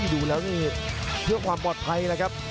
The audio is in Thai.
ดูแล้วนี่เพื่อความปลอดภัยแล้วครับ